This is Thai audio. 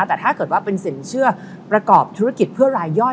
แต่ถ้าเกิดว่าเป็นสินเชื่อประกอบธุรกิจเพื่อรายย่อย